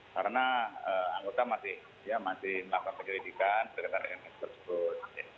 karena anggota masih makan penyelidikan sekitar ms tersebut